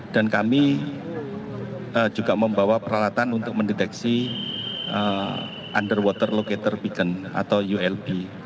kami juga membawa peralatan untuk mendeteksi underwater locator peacon atau ulb